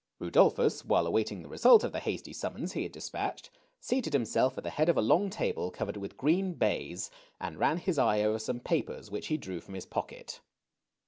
Rudolphus^ while awaiting the result of the hasty summons he had despatched, seated himself at the head of a long table covered with green baize, and ran his eye over some papers which he drew from his pocket.